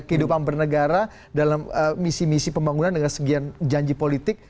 kehidupan bernegara dalam misi misi pembangunan dengan sekian janji politik